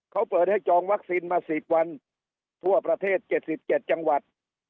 เขาเปิดให้จองวัคซีนมาสิบวันทั่วประเทศเจ็ดสิบเจ็ดจังหวัด